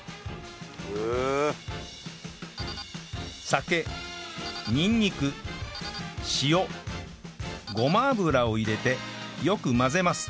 酒にんにく塩ごま油を入れてよく混ぜます